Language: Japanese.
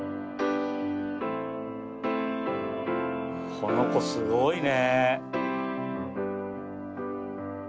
この子すごいね。